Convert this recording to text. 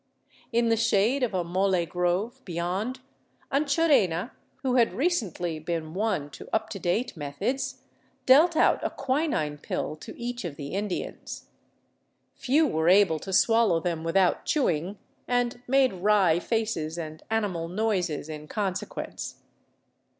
In the shade of a molle grove beyond, Anchorena, who had recently been won to up to date methods, dealt out a quinine pill to each of the Indians. Few were able to swallow them without chewing, and made wry faces and animal noises in consequence.